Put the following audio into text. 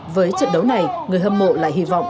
với trận đấu này người hâm mộ lại hy vọng